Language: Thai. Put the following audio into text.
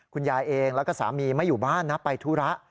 คุณยายเองแล้วก็สามีไม่อยู่บ้านนะไปธุระ